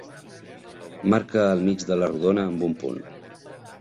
Marca el mig de la rodona amb un punt.